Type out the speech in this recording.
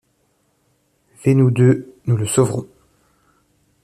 v nous deux, nous le sauverons !